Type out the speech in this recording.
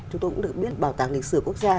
chúng tôi cũng được biết bảo tàng lịch sử quốc gia